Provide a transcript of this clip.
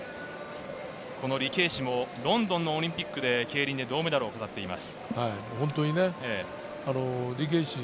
リ・ケイシもロンドンのオリンピックで競輪で銅メダルを飾っています。